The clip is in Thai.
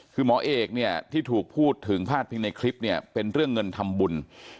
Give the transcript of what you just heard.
คือหมอเอกเนี่ยที่ถูกพูดถึงพาดพิงในคลิปเนี่ยเป็นเรื่องเงินทำบุญ